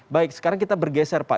baik sekarang kita bergeser pak